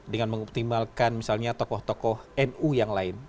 dengan mengoptimalkan misalnya tokoh tokoh nu yang lain